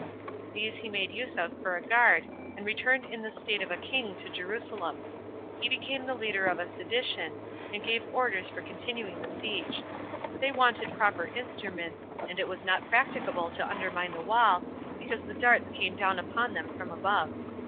These he made use of for a guard, and returned in the state of a king to Jerusalem; he became the leader of the sedition, and gave orders for continuing the siege; but they wanted proper instruments, and it was not practicable to undermine the wall, because the darts came down upon them from above.